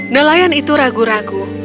nelayan itu ragu ragu